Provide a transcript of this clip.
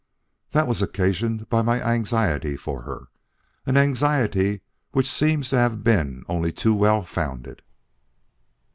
"That was occasioned by my anxiety for her an anxiety which seems to have been only too well founded."